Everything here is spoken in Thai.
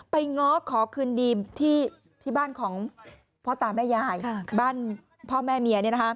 ง้อขอคืนดีที่บ้านของพ่อตาแม่ยายบ้านพ่อแม่เมีย